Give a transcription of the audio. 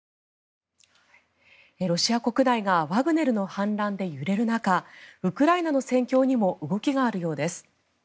ロシア国内がワグネルの反乱で揺れる中ウクライナの戦況にも動きがあるようです。